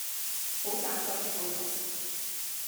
好盞鬼嘅口頭禪